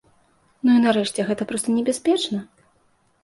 Ну і нарэшце, гэта проста небяспечна.